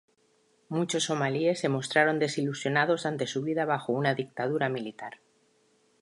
Muchos somalíes se mostraron desilusionados ante su vida bajo una dictadura militar.